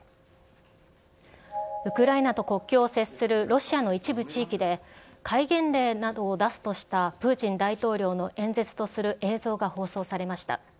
ウクライナと国境を接するロシアの一部地域で、戒厳令などを出すとしたプーチン大統領の演説とする映像が放送されました。